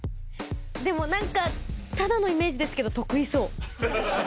でも、なんかただのイメージですけど、得意そう。